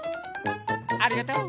ありがとう。